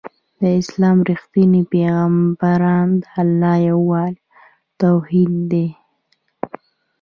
د اسلام رښتينی پيغام د الله يووالی او توحيد دی